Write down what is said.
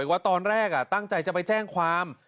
ว่าตอนแรกตั้งใจจะไปแจ้งความ